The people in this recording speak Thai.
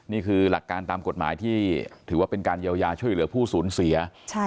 นี่คือหลักการตามกฎหมายที่ถือว่าเป็นการเยียวยาช่วยเหลือผู้สูญเสีย